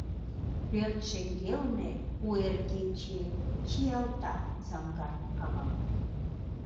Пӧрт шеҥгелне у эр кече чиялта заҥгар кавам.